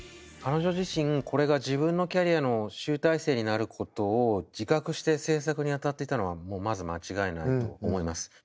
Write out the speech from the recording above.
彼女自身これが自分のキャリアの集大成になることを自覚して制作に当たってたのはもうまず間違いないと思います。